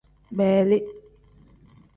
Beeli.